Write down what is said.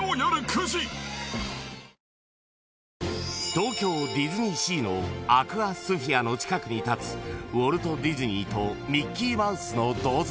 ［東京ディズニーシーのアクアスフィアの近くに立つウォルト・ディズニーとミッキーマウスの銅像］